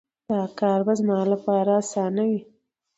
دا کار به زما لپاره اسانه وي